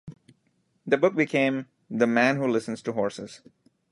That book became "The Man Who Listens to Horses".